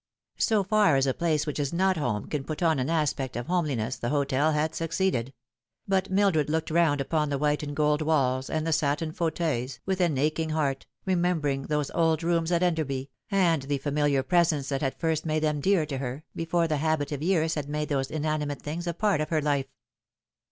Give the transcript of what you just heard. So far as a place which is not home can put on an aspect of homeli ness the hotel had succeeded ; but Mildred looked round upon the white and gold walls, and the satin f auteuils, with an aching heart, remembering those old rooms at Enderby, and the fami liar presence that had first made them dear to her, before the habit of years had made those inanimate things a part of her life.